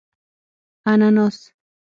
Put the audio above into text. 🍍 انناس